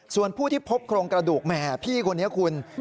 ส่วนผู้ที่พบโครงกระดูกแหมพี่คนนี้คุณ